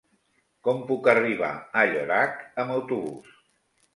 Com puc arribar a Llorac amb autobús?